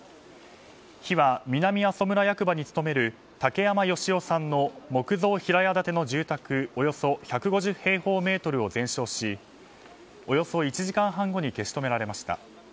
火は南阿蘇村役場に勤める竹山義雄さんの木造平屋建ての住宅およそ１５０平方メートルを全焼し、およそ１時間半後に消し止められました。